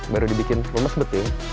baru dibikin lumes beting